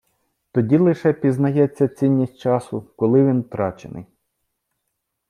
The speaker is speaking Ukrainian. Тоді лише пізнається цінність часу, коли він втрачений.